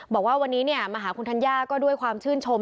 บอกว่าวันนี้มาหาคุณธัญญาก็ด้วยความชื่นชม